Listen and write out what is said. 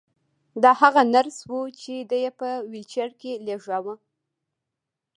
دا هغه نرس وه چې دی یې په ويلچر کې لېږداوه